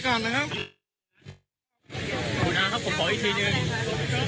คุณอาครับผมขออีกทีหนึ่ง